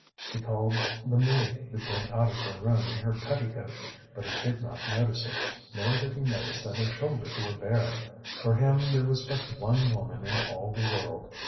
He called the maid who came out of her room in her petticoat. But he did not notice it, nor did he notice that her shoulders were bare. For him there was but one woman in all the world.